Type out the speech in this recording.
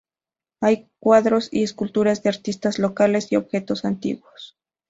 Hay cuadros y esculturas de artistas locales, y objetos antiguos.